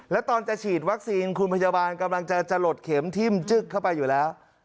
แล้วตอนจะฉีดวัคซีนคุณพยาบาลกำลังจะหลดเข็มทิ้มจึ๊กเข้าไปอยู่แล้ว